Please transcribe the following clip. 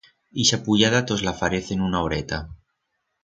Ixa puyada tos la farez en una horeta.